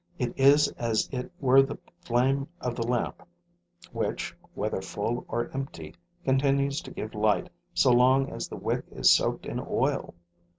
It is as it were the flame of the lamp, which, whether full or empty, continues to give light so long as the wick is soaked in oil.